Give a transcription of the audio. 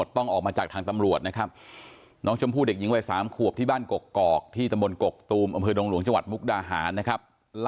ไล่กันอีกนิดนึงนะครับ